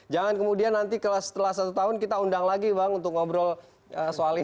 jangan kemudian nanti setelah satu tahun kita undang lagi bang untuk ngobrol soal ini